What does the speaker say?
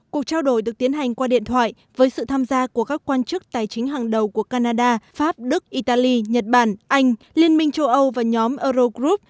cuộc trao đổi được tiến hành qua điện thoại với sự tham gia của các quan chức tài chính hàng đầu của canada pháp đức italy nhật bản anh liên minh châu âu và nhóm euro group